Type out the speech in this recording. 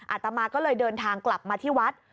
อาตมาก็เลยเดินทางกลับมาที่วัด